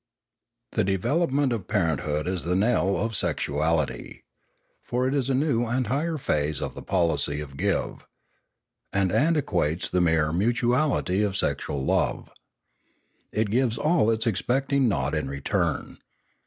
The development of parenthood is the knell of sex uality. For it is a new and higher phase of the policy of give, and antiquates the mere mutuality of sexual love. It gives of its all expecting nought in return.